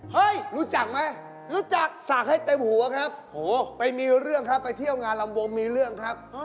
เฮ้ยรู้จักไหมศักดิ์ให้เต็มหัวครับไปเที่ยวงานลำวงมีเรื่องครับ